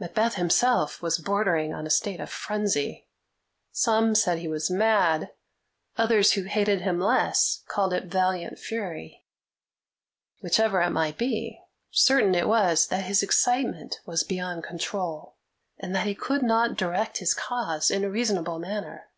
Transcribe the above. Macbeth himself was bordering on a state of frenzy. Some said he was mad; others, who hated him less, called it valiant fury. Whichever it might be, certain it was that his excitement was beyond control, and that he could not direct his cause in a reasonable manner.